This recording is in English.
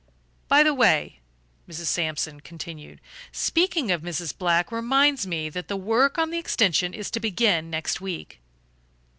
"By the way," Mrs. Sampson continued, "speaking of Mrs. Black reminds me that the work on the extension is to begin next week."